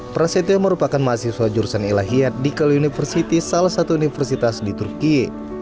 prasetyo merupakan mahasiswa jurusan ilahiyad di kali university salah satu universitas di turkiye